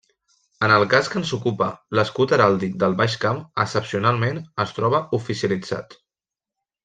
En el cas que ens ocupa, l'escut heràldic del Baix Camp, excepcionalment, es troba oficialitzat.